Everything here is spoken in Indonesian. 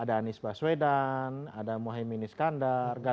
ada juga anies baswedan ada mohi miniskandar gatil